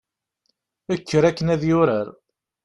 kker akken ad yurar